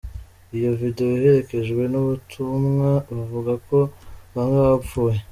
Iyo video iherekejwe n'ubutumwa buvuga ko "bamwe bapfuye".